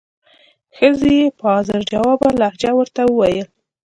ښځې یې په حاضر جوابه لهجه ورته وویل.